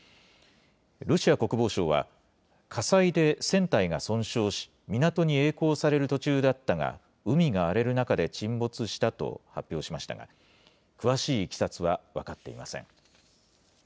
ロシア国防省は、火災で船体が損傷し、港にえい航される途中だったが、海が荒れる中で沈没したと発表しましたが、詳しいいきさつは分かっていません。